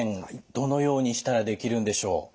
どのようにしたらできるんでしょう？